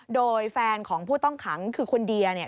โดยแฟนของผู้ต้องขังคือคุณเดีย